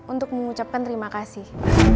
untuk mengucapkan terima kasih